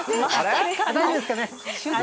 大丈夫ですかね。